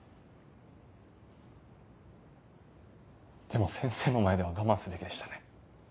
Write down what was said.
でも先生の前では我慢すべきでしたね。